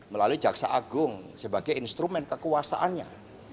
melalui jaksa agung sebagai instrumen kekuasaannya